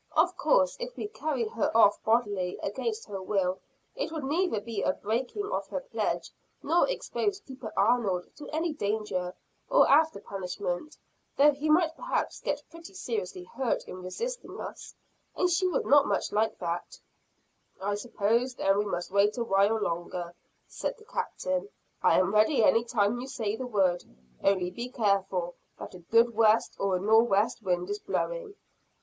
Of course if we carry her off bodily, against her will, it would neither be a breaking of her pledge nor expose Keeper Arnold to any danger of after punishment, though he might perhaps get pretty seriously hurt in resisting us, and she would not like that much." "I suppose then we must wait a while longer," said the Captain. "I am ready any time you say the word only be careful that a good west or a nor'west wind is blowing.